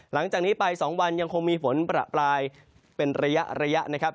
หลังจากนี้ไป๒วันยังคงมีฝนประปรายเป็นระยะนะครับ